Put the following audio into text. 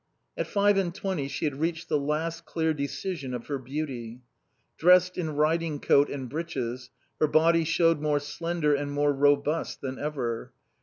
At five and twenty she had reached the last clear decision of her beauty. Dressed in riding coat and breeches, her body showed more slender and more robust than ever.